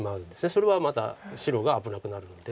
それはまた白が危なくなるんで。